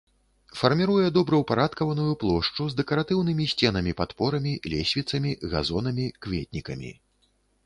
Фарміруе добраўпарадкаваную плошчу з дэкаратыўнымі сценамі-падпорамі, лесвіцамі, газонамі, кветнікамі.